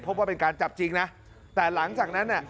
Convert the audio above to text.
พบว่าเป็นการจับจริงนะแต่หลังจากนั้นเนี่ย